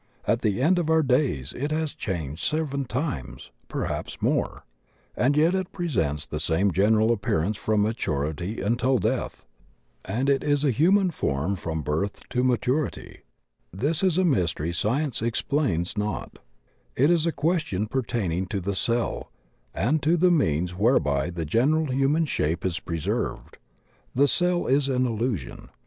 At the end of our days it has changed seven times, perhaps more. And yet it presents the same general appearance from maturity until death; and it is a human form from birth to maturity. This is a mystery science explains not; it WHAT LIFE IS 37 is a question pertaining to the cell and to the means whereby the general human shape is preserved. The "ceU" is an illusion.